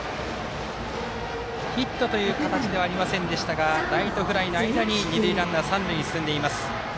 ヒットという形ではありませんでしたがライトフライの間に二塁ランナー三塁に進んでいます。